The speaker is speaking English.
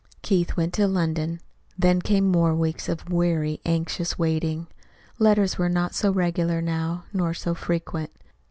Keith went to London. Then came more weeks of weary, anxious waiting. Letters were not so regular now, nor so frequent.